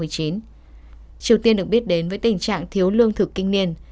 triều tiên được biết đến với tình trạng thiếu lương thực kinh niên